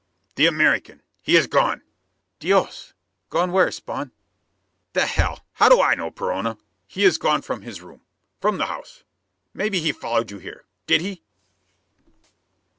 "The American he is gone!" "Dios! Gone where, Spawn?" "The hell how do I know, Perona? He is gone from his room from the house. Maybe he followed you here? Did he?"